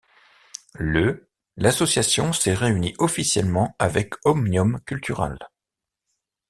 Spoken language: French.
Le l'association s'est réunie officiellement avec Òmnium Cultural.